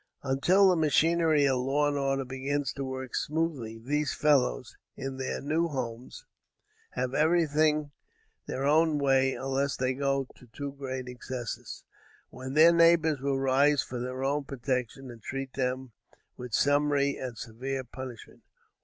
Until the machinery of law and order begins to work smoothly, these fellows, in their new homes, have every thing their own way unless they go to too great excesses, when their neighbors will rise for their own protection and treat them with summary and severe punishment.